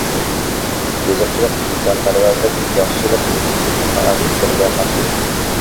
يېزىقچىلىق، ئىنسانپەرۋەرلىك، ياخشىلىق يەتكۈزۈش پائالىيەتلىرىگە ماس كېلىدۇ.